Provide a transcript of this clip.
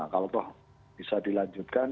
kalau toh bisa dilanjutkan